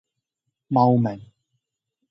茂名